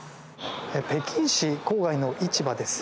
北京市郊外の市場です。